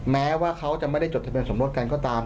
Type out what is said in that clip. แม้ว่าเขาจะไม่ได้จดทะเบียนสมรสกันก็ตาม